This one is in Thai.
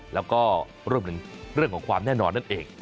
แล้วก็รวมถึงเรื่องของความแน่นอนนั่นเอง